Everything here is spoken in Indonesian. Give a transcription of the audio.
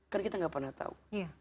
kan kita gak pernah tau